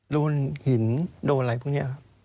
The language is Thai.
โดนหินโดนอะไรพวกนี้ครับ